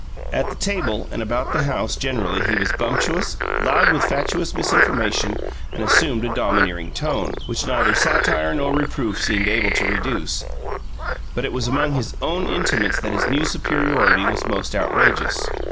At the table and about the house generally he was bumptious, loud with fatuous misinformation, and assumed a domineering tone, which neither satire nor reproof seemed able to reduce: but it was among his own intimates that his new superiority was most outrageous.